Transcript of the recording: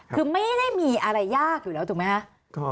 คือไม่ได้มีอะไรยากอยู่แล้วถูกไหมคะ